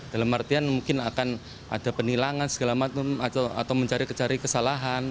dalam artian mungkin akan ada penilangan segala macam atau mencari kecari kesalahan